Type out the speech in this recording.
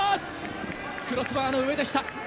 クロスバーの上でした。